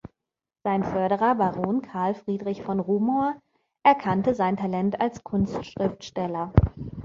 Sein Förderer, Baron Karl Friedrich von Rumohr, erkannte sein Talent als Kunstschriftsteller.